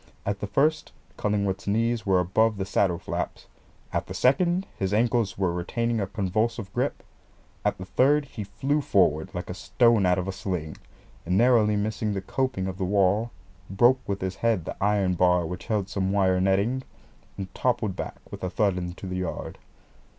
At the first, Cullingworth's knees were above the saddle flaps, at the second his ankles were retaining a convulsive grip, at the third he flew forward like a stone out of a sling, narrowly missed the coping of the wall, broke with his head the iron bar which held some wire netting, and toppled back with a thud into the yard.